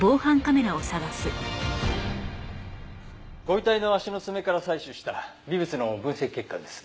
ご遺体の足の爪から採取した微物の分析結果です。